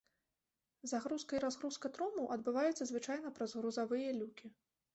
Загрузка і разгрузка трумаў адбываецца звычайна праз грузавыя люкі.